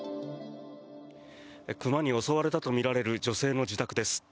熊に襲われたとみられる女性の自宅です。